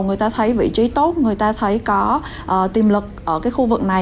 người ta thấy vị trí tốt người ta thấy có tiềm lực ở cái khu vực này